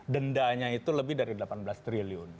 dendanya itu lebih dari delapan belas triliun